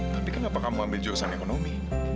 tapi kenapa kamu ambil jurusan ekonomi